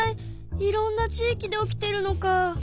いろんな地域で起きてるのか。